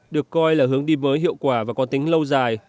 được coi là hướng đi mới hiệu quả và có tính lâu dài